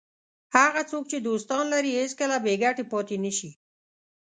هغه څوک چې دوستان لري هېڅکله بې ګټې پاتې نه شي.